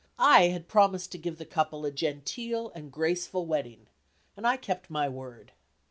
I had promised to give the couple a genteel and graceful wedding, and I kept my word.